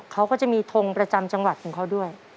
เขาก็จะมีทงประจำจังหวัดของเขาด้วย